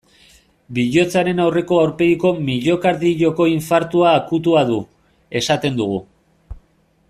Bihotzaren aurreko aurpegiko miokardioko infartu akutua du, esaten dugu.